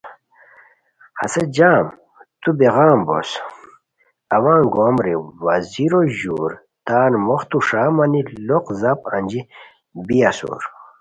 ہسے جام تو بے غم بوس اوا انگوم رے وزیرو ژور تان موختو ݰا مانی، لوق زاپ انجی بی اسور